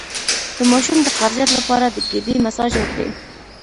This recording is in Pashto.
د ماشوم د قبضیت لپاره د ګیډې مساج وکړئ